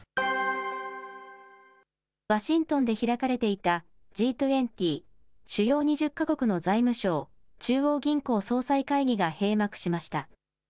ワシントンで開かれていたＧ２０・主要２０か国の財務相・中央銀行総裁会議が閉幕しました。